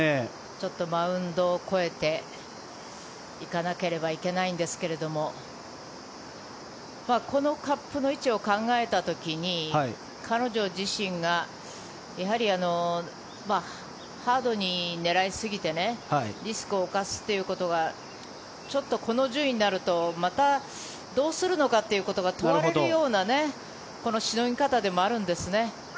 ちょっとマウンドを越えて行かなければいけないんですがこのカップの位置を考えた時に彼女自身がやはりハードに狙いすぎてリスクを冒すということがちょっとこの順位になるとまたどうするのかというのが問われるようなしのぎ方でもあるんですね。